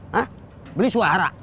hah beli suara